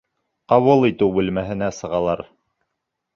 Ҡабул итеү бүлмәһенә сығалар.